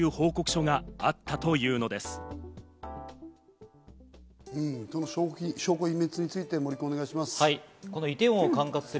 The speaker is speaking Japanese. その証拠隠滅についてお願いします。